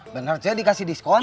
benar cek dikasih diskon